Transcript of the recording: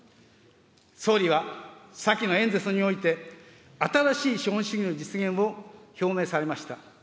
総理は、先の演説において、新しい資本主義の実現を表明されました。